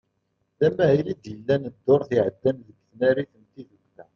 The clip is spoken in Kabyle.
D amahil i d-yellan ddurt iɛeddan deg tnarit n tiddukla.